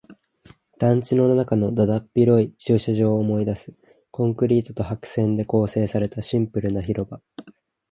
団地の中のだだっ広い駐車場を思い出す。コンクリートと白線で構成されたシンプルな広場。